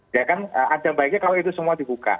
ya kan ada baiknya kalau itu semua dibuka